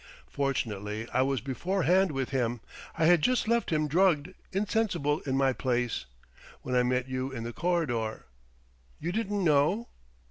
Fortunately I was beforehand with him. I had just left him drugged, insensible in my place, when I met you in the corridor.... You didn't know?"